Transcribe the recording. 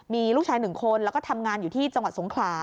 มีลูกชายหนึ่งคนแล้วก็ทำงานอยู่ที่จังหวัดสงขลา